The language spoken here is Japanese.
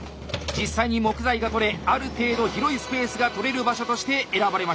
実際に木材が採れある程度広いスペースが取れる場所として選ばれました。